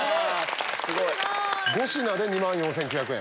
すごい！５品で２万４９００円。